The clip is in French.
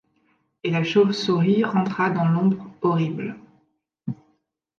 Et la chauve-souris rentra dans l’ombre horrible ;